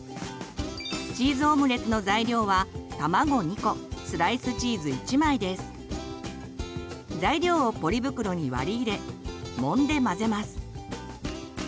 チーズオムレツの材料は材料をポリ袋に割り入れもんで混ぜます。